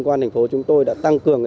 công an thành phố chúng tôi đã tăng cường